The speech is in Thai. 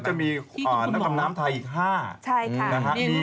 ออสเตอร์แฮริสใช่ไหมคุณหมอ